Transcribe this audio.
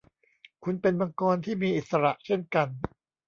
คุณเป็นมังกรที่มีอิสระเช่นกัน